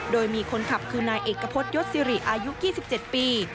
โดยมีคนขับคือนายเอกพจนยศสิริอายุ๒๗ปี